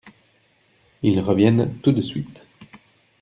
Ils reviennent tout de suite.